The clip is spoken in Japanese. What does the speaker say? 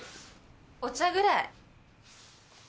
お茶ぐらい。